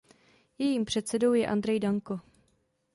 Jejím předsedou je Andrej Danko.